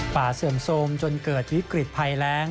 เสื่อมโทรมจนเกิดวิกฤตภัยแรง